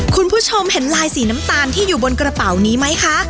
คุณผู้ชมเห็นลายสีน้ำตาลที่อยู่บนกระเป๋านี้ไหมคะ